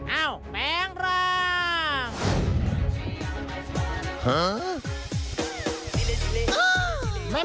เอ้าแปลงร่าง